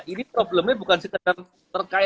ini problemnya bukan terkait